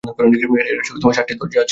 এর সাতটি দরজা আছে।